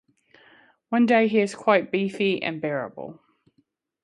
One day he is quite beefy and bearable.